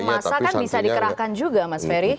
masa kan bisa dikerahkan juga mas ferry